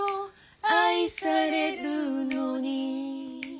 「愛されるのに」